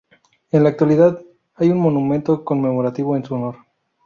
En la actualidad hay un monumento conmemorativo en su honor.